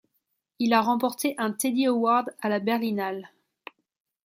Il a remporté un Teddy Award à la Berlinale.